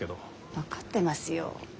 分かってますよ。